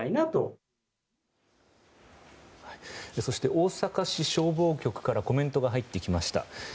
そして大阪市消防局からコメントが入ってきました。